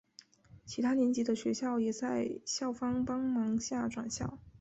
其他年级的学生也在校方帮助下转校。